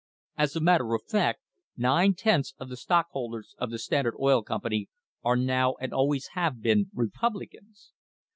... "As a matter of fact, nine tenths of the stockholders of the Standard Oil Company are now and always have been Republicans.